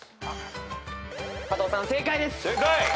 加藤さん正解です。